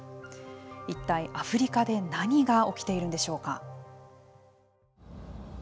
一体、アフリカで何が起きているんでしょうか。